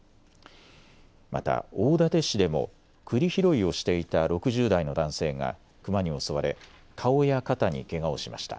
また大館市でもクリ拾いをしていた６０代の男性がクマに襲われ顔や肩にけがをしました。